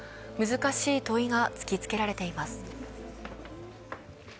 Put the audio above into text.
難しい問いが突きつけられています。